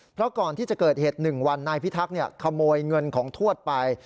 เพราะก่อนที่จะเกิดเหตุ๑วันนายพิทักษ์ขโมยเงินของทวดไป